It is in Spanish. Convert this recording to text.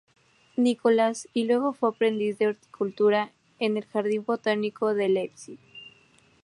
Nikolas, y luego fue aprendiz de horticultura en el Jardín Botánico de Leipzig.